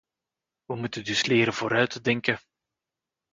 We moeten dus leren vooruit te denken.